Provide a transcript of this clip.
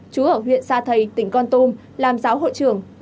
chú ở huyện sa thầy tỉnh con tum làm giáo hội trưởng